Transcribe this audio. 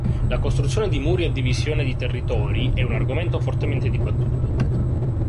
La costruzione di muri a divisione di territori è un argomento fortemente dibattuto.